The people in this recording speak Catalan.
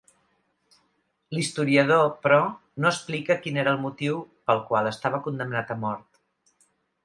L'historiador però, no explica quin era el motiu pel qual estava condemnat a mort.